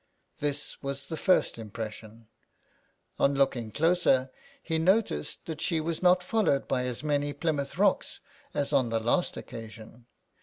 This was the first impression. On looking closer he noticed that she was not followed by as many Plymouth Rocks as on the last occasion.